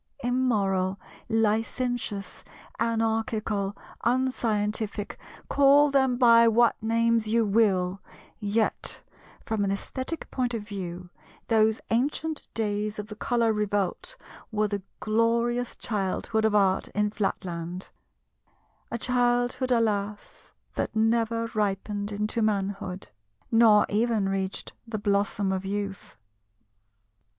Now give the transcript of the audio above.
Immoral, licentious, anarchical, unscientific—call them by what names you will—yet, from an aesthetic point of view, those ancient days of the Colour Revolt were the glorious childhood of Art in Flatland—a childhood, alas, that never ripened into manhood, nor even reached the blossom of youth.